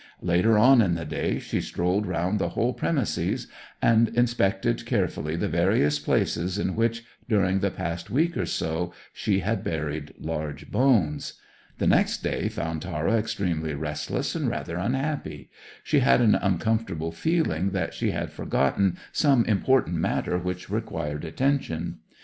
Later on in the day she strolled round the whole premises, and inspected carefully the various places in which, during the past week or so, she had buried large bones. The next day found Tara extremely restless and rather unhappy. She had an uncomfortable feeling that she had forgotten some important matter which required attention.